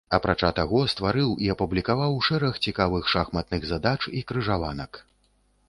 Апрача таго стварыў і апублікаваў шэраг цікавых шахматных задач і крыжаванак.